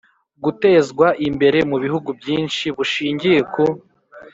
gutezwa imbere mu bihugu byinshi bushingiye ku